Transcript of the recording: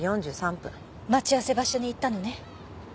待ち合わせ場所に行ったのね？